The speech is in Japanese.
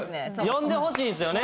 呼んでほしいんですよね。